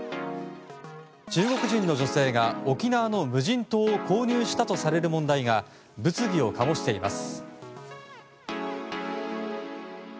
中国人の女性が沖縄の無人島を購入したとされる問題が物議を醸しています。